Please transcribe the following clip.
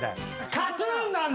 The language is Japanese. ＫＡＴ−ＴＵＮだ。